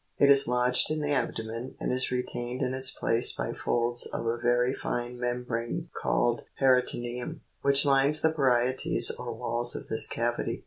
It is lodged in the abdomen, and is retained in its place by folds of a very fine membrane called peritoneum, which lines the parietes or walls of this cavity.